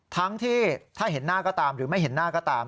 ทั้งที่ถ้าเห็นหน้าก็ตามหรือไม่เห็นหน้าก็ตาม